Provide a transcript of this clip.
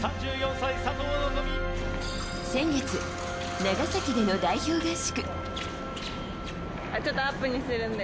先月、長崎での代表合宿。